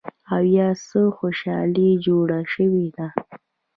او يا څه خوشحالي جوړه شوې ده